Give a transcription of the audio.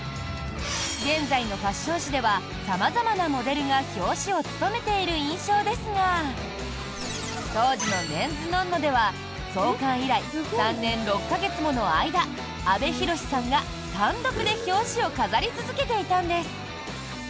現在のファッション誌では様々なモデルが表紙を務めている印象ですが当時の「ＭＥＮ’ＳＮＯＮ−ＮＯ」では創刊以来３年６か月もの間阿部寛さんが単独で表紙を飾り続けていたんです。